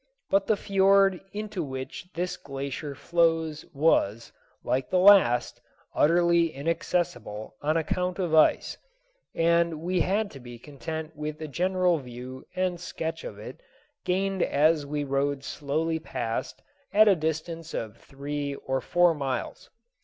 But the fiord into which this glacier flows was, like the last, utterly inaccessible on account of ice, and we had to be content with a general view and sketch of it, gained as we rowed slowly past at a distance of three or four miles.